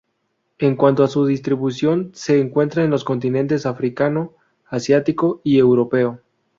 En cuanto a su distribución, se encuentra en los continentes africano, asiático y europeo.